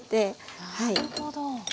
なるほど。